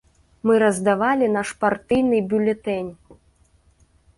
Мы раздавалі наш партыйны бюлетэнь.